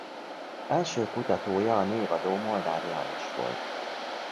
Első kutatója a névadó Molnár János volt.